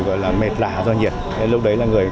gọi là mệt lạ do nhiệt lúc đấy là người